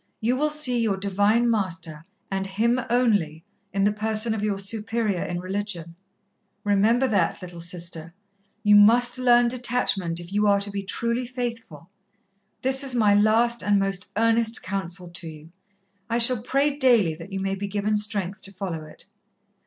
You will see your Divine Master, and Him only, in the person of your Superior in religion. Remember that, little Sister. You must learn detachment if you are to be truly faithful. That is my last and most earnest counsel to you. I shall pray daily that you may be given strength to follow it."